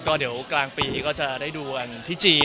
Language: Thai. ก็เดี๋ยวกลางปีก็จะได้ดูกันที่จีน